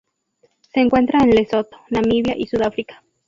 Se encuentra en Lesoto, Namibia y Sudáfrica.